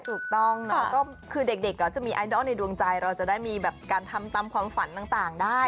ถูกต้องนะก็คือเด็กก็จะมีไอดอลในดวงใจเราจะได้มีการทำตามความฝันต่างได้